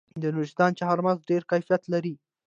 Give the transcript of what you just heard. د نورستان چهارمغز ډیر کیفیت لري.